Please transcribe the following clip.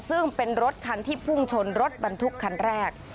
ซึ่งเป็นรถคันที่พุ่งชนรถบรรทุกคันแรก